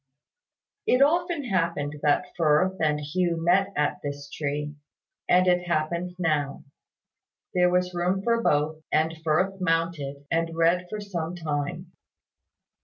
It often happened that Firth and Hugh met at this tree; and it happened now. There was room for both; and Firth mounted, and read for some time.